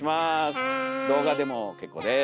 動画でも結構です。